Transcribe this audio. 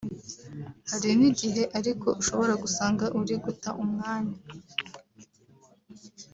hari n’igihe ariko ushobora gusanga uri guta umwanya